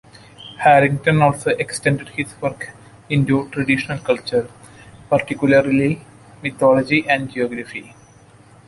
Harrington also extended his work into traditional culture, particularly mythology and geography.